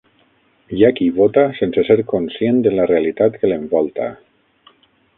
Hi ha qui vota sense ser conscient de la realitat que l'envolta.